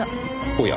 おや。